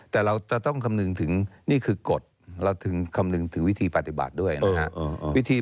แต่เราจะต้องคำนึงถึงนี่คือกฎเราถึงคำนึงถึงวิธีปฏิบัติด้วยนะฮะ